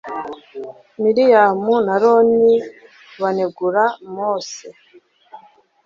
miriyamu na aroni banegura mose